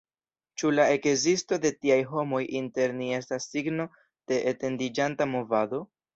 Ĉu la ekzisto de tiaj homoj inter ni estas signo de etendiĝanta movado?